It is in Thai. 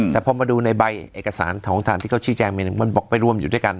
แต่พอมาดูในใบเอกสารของฐานที่เขาชี้แจงมีหนึ่งมันบอกไปรวมอยู่ด้วยกัน